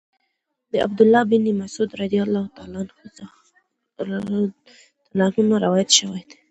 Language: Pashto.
د عبد الله بن مسعود رضی الله عنه نه روايت شوی